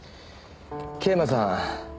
桂馬さん